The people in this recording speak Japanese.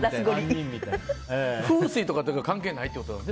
風水とかは関係ないってことですね。